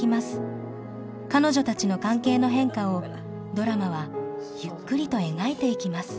彼女たちの関係の変化をドラマはゆっくりと描いていきます。